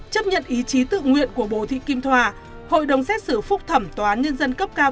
chấp nhận ý chí tự nguyện của bùi thị kim thoa hội đồng xét xử phúc thẩm tòa án nhân dân cấp cao